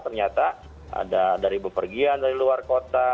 ternyata ada dari bepergian dari luar kota